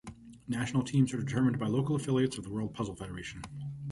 National teams are determined by local affiliates of the World Puzzle Federation.